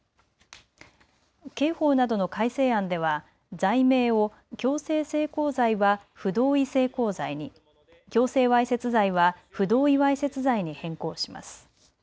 刑法などの改正案では罪名を強制性交罪は不同意性交罪に、強制わいせつ罪は不同意わいせつ罪に変更します。